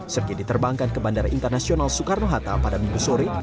sergi diterbangkan ke bandara internasional soekarno hatta pada minggu sore